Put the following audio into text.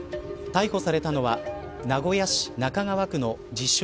逮捕されたのは名古屋市中川区の自称